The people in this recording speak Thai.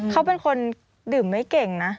เขาเป็นคนดื่มไม่เก่งนะ